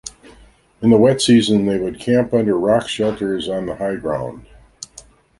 In the wet season, they would camp under rock shelters on the high ground.